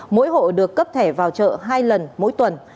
mỗi hộ được cấp thẻ vào chợ hai lần mỗi tuần